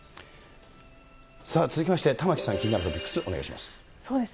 さあ、続きまして玉城さん、気になるトピックス、お願いします。